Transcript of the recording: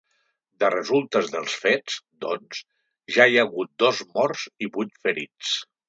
De resultes dels fets, doncs, ja hi ha hagut dos morts i vuit ferits.